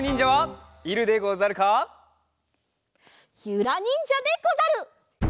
ゆらにんじゃでござる！